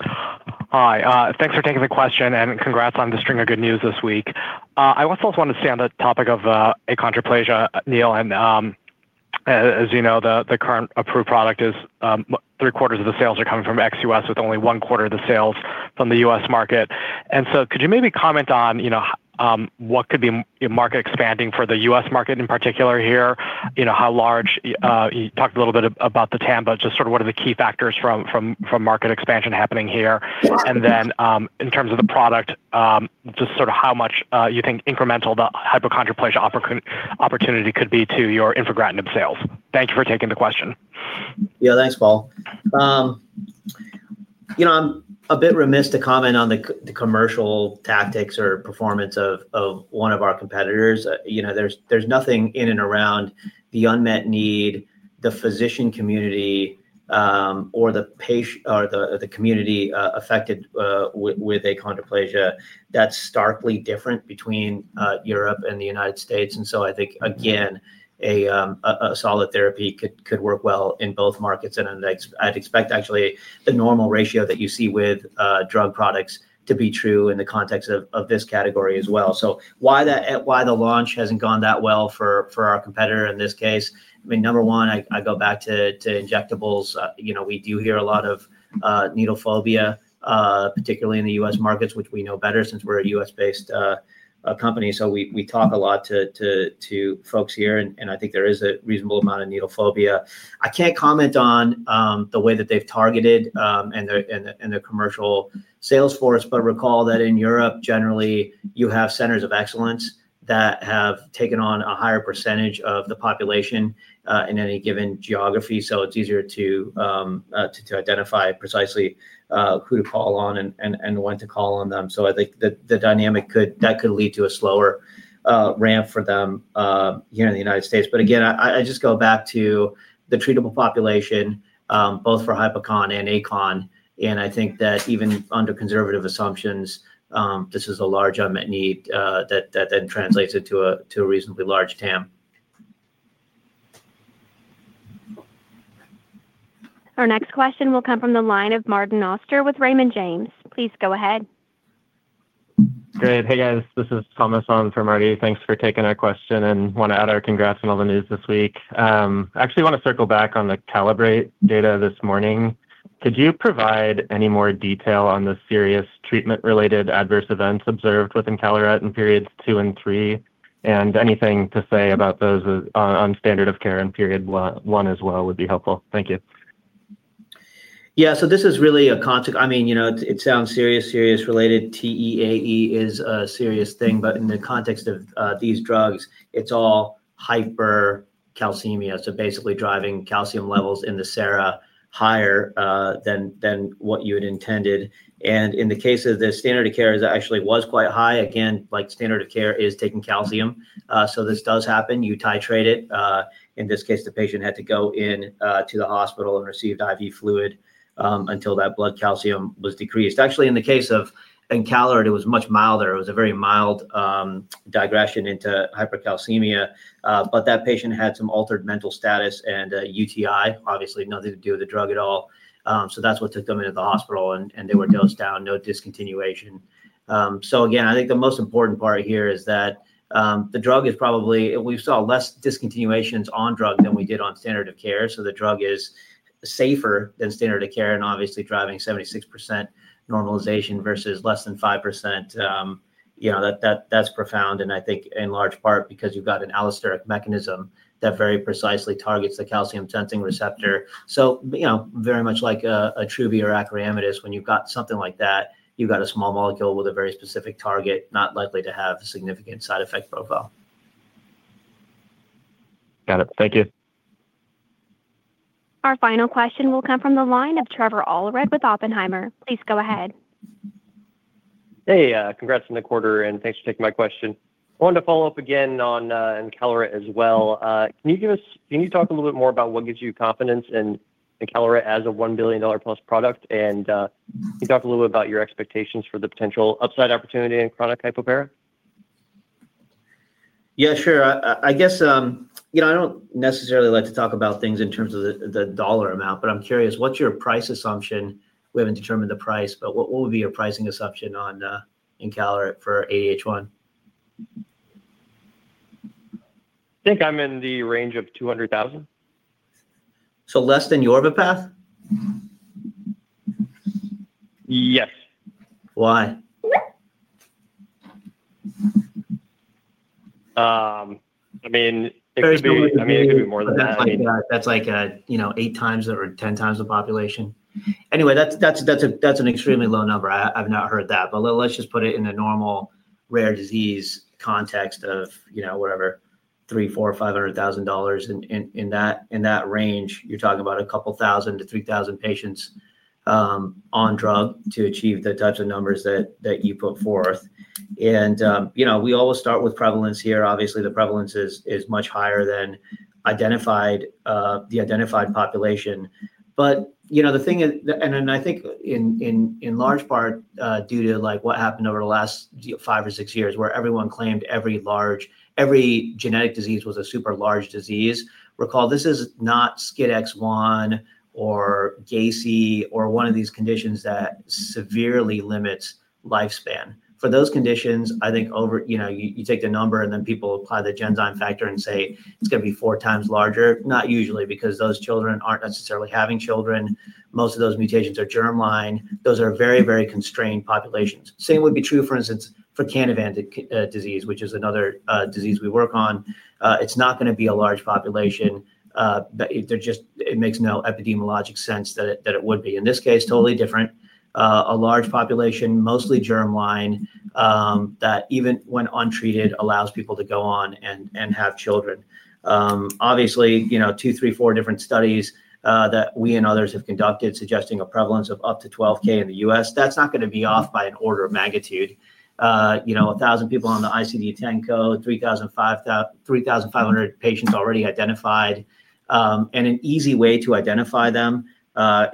Hi. Thanks for taking the question, and congrats on the string of good news this week. I also want to stay on the topic of Achondroplasia, Neil. As you know, the current approved product is three-quarters of the sales are coming from ex-US, with only one-quarter of the sales from the US market. Could you maybe comment on what could be market expanding for the US market in particular here? How large? You talked a little bit about the TAM, but just sort of what are the key factors from market expansion happening here? In terms of the product, just sort of how much you think incremental the Hypochondroplasia opportunity could be to your Infigratinib sales. Thank you for taking the question. Yeah, thanks, Paul. I'm a bit remiss to comment on the commercial tactics or performance of one of our competitors. There's nothing in and around the unmet need, the physician community, or the community affected with Achondroplasia that's starkly different between Europe and the United States. I think a solid therapy could work well in both markets. I'd expect actually the normal ratio that you see with drug products to be true in the context of this category as well. Why the launch hasn't gone that well for our competitor in this case? Number one, I go back to injectables. We do hear a lot of needle phobia, particularly in the U.S. markets, which we know better since we're a U.S. based company. We talk a lot to folks here, and I think there is a reasonable amount of needle phobia. I can't comment on the way that they've targeted and their commercial sales force, but recall that in Europe, generally, you have centers of excellence that have taken on a higher percentage of the population in any given geography. It's easier to identify precisely who to call on and when to call on them. I think the dynamic could lead to a slower ramp for them here in the United States. I just go back to the treatable population, both for Hypochondroplasia and Achondroplasia. I think that even under conservative assumptions, this is a large unmet need that then translates into a reasonably large TAM. Our next question will come from the line of Martin Oster with Raymond James. Please go ahead. Great. Hey, guys. This is Thomas Trimarchi on for Martin Oster. Thanks for taking our question and want to add our congrats on all the news this week. I actually want to circle back on the Encalirate data this morning. Could you provide any more detail on the serious treatment-related adverse events observed within Encalirate in periods two and three? Anything to say about those on standard of care in period one as well would be helpful. Thank you. Yeah, so this is really a context. I mean, you know, it sounds serious, serious related. TEAE is a serious thing. In the context of these drugs, it's all hypercalcemia, so basically driving calcium levels in the serum higher than what you had intended. In the case of the standard of care, it actually was quite high. Again, like standard of care is taking calcium, so this does happen. You titrate it. In this case, the patient had to go into the hospital and received IV fluid until that blood calcium was decreased. Actually, in the case of Encalirate, it was much milder. It was a very mild digression into hypercalcemia. That patient had some altered mental status and a UTI, obviously nothing to do with the drug at all. That's what took them into the hospital, and they were dosed down. No discontinuation. I think the most important part here is that the drug is probably, we saw less discontinuations on drug than we did on standard of care. The drug is safer than standard of care and obviously driving 76% normalization versus less than 5%. That's profound. I think in large part because you've got an allosteric mechanism that very precisely targets the calcium-sensing receptor. Very much like Attruby or Acoramidis, when you've got something like that, you've got a small molecule with a very specific target, not likely to have a significant side effect profile. Got it. Thank you. Our final question will come from the line of Trevor Allred with Oppenheimer. Please go ahead. Hey, congrats on the quarter, and thanks for taking my question. I wanted to follow up again on Encalirate as well. Can you give us, can you talk a little bit more about what gives you confidence in Encalirate as a $1 billion-plus product? Can you talk a little bit about your expectations for the potential upside opportunity in chronic hypoparathyroidism? Yeah, sure. I guess, you know, I don't necessarily like to talk about things in terms of the dollar amount, but I'm curious, what's your price assumption? We haven't determined the price, but what would be your pricing assumption on Encalirate for ADH1? I think I'm in the range of $200,000. Less than Attruby? Yes. Why? It could be more than that. That's like, you know, eight times or ten times the population. Anyway, that's an extremely low number. I've not heard that. Let's just put it in a normal rare disease context of, you know, whatever, $300,000, $400,000, $500,000 in that range. You're talking about a couple thousand to 3,000 patients on drug to achieve the types of numbers that you put forth. We always start with prevalence here. Obviously, the prevalence is much higher than the identified population. The thing is, and I think in large part due to what happened over the last five or six years where everyone claimed every large, every genetic disease was a super large disease. Recall, this is not SCID X1 or GACI or one of these conditions that severely limits lifespan. For those conditions, I think over, you know, you take the number and then people apply the Genzyme factor and say it's going to be four times larger. Not usually, because those children aren't necessarily having children. Most of those mutations are germline. Those are very, very constrained populations. Same would be true, for instance, for Candida disease, which is another disease we work on. It's not going to be a large population. It makes no epidemiologic sense that it would be. In this case, totally different. A large population, mostly germline, that even when untreated allows people to go on and have children. Obviously, you know, two, three, four different studies that we and others have conducted suggesting a prevalence of up to 12,000 in the U.S. That's not going to be off by an order of magnitude. You know, 1,000 people on the ICD-10 code, 3,500 patients already identified. An easy way to identify them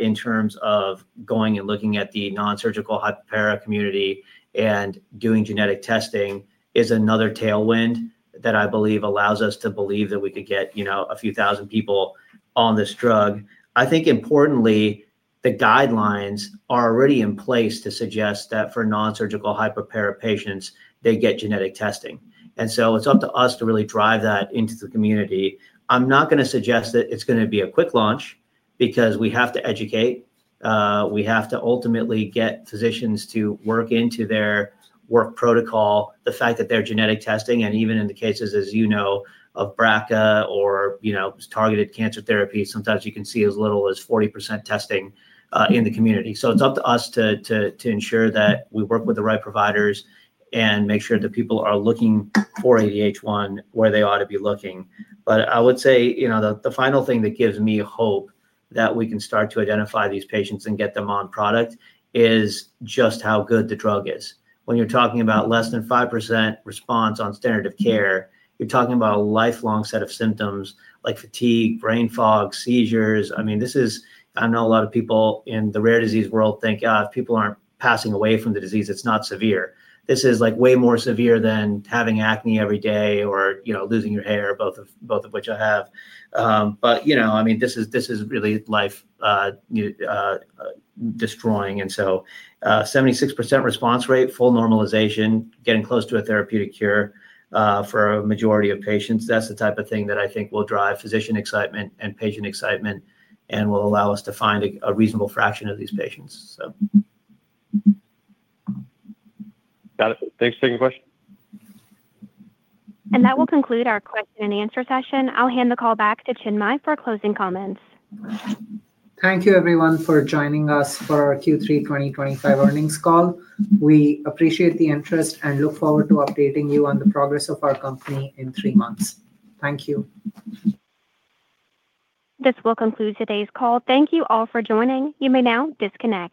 in terms of going and looking at the nonsurgical hypopara community and doing genetic testing is another tailwind that I believe allows us to believe that we could get, you know, a few thousand people on this drug. I think importantly, the guidelines are already in place to suggest that for nonsurgical hypopara patients, they get genetic testing. It's up to us to really drive that into the community. I'm not going to suggest that it's going to be a quick launch because we have to educate. We have to ultimately get physicians to work into their work protocol. The fact that they're genetic testing, and even in the cases, as you know, of BRCA or, you know, targeted cancer therapy, sometimes you can see as little as 40% testing in the community. It is up to us to ensure that we work with the right providers and make sure that people are looking for ADH1 where they ought to be looking. I would say the final thing that gives me hope that we can start to identify these patients and get them on product is just how good the drug is. When you're talking about less than 5% response on standard of care, you're talking about a lifelong set of symptoms like fatigue, brain fog, seizures. I know a lot of people in the rare disease world think if people aren't passing away from the disease, it's not severe. This is way more severe than having acne every day or losing your hair, both of which I have. This is really life-destroying. A 76% response rate, full normalization, getting close to a therapeutic cure for a majority of patients, that's the type of thing that I think will drive physician excitement and patient excitement and will allow us to find a reasonable fraction of these patients. Got it. Thanks for taking the question. That will conclude our question and answer session. I'll hand the call back to Chinmay for closing comments. Thank you, everyone, for joining us for our Q3 2025 earnings call. We appreciate the interest and look forward to updating you on the progress of our company in three months. Thank you. This will conclude today's call. Thank you all for joining. You may now disconnect.